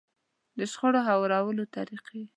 د شخړو هوارولو طريقې.